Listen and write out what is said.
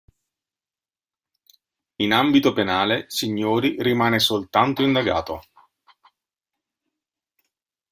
In ambito penale Signori rimane soltanto indagato.